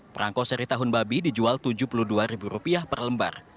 perangko seri tahun babi dijual rp tujuh puluh dua per lembar